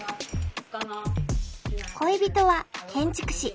恋人は建築士。